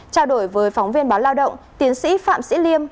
trao đổi với phóng viên báo lao động tiến sĩ phạm sĩ liêm